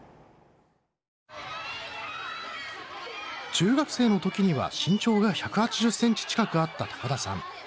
中学生の時には身長が１８０センチ近くあった田さん。